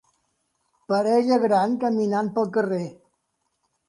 Parella gran caminant pel carrer